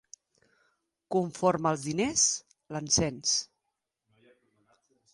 Conforme els diners, l'encens.